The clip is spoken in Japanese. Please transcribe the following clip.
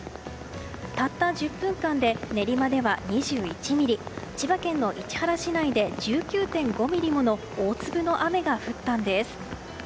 たった１０分間で練馬では２１ミリ千葉県の市原市内で１９．５ミリもの大粒の雨が降ったんです。